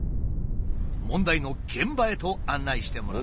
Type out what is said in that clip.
問題の現場へと案内してもらった。